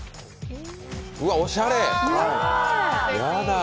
うわっ、おしゃれ。